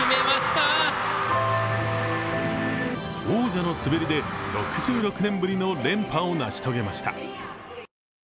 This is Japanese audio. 王者の滑りで６６年ぶりの連覇を成し遂げました。